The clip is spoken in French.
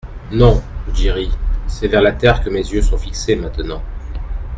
Non, Ruggieri, c’est vers la terre que mes yeux sont fixés maintenant.